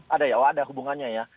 ada ya oh ada hubungannya ya